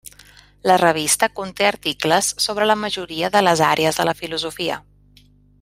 La revista conté articles sobre la majoria de les àrees de la filosofia.